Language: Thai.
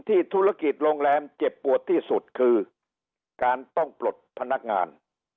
ธุรกิจโรงแรมเจ็บปวดที่สุดคือการต้องปลดพนักงาน